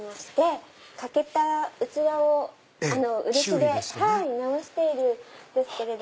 欠けた器を漆で直しているんですけれども。